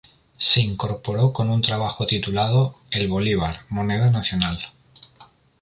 Se incorporó con un trabajo titulado "El bolívar, moneda nacional".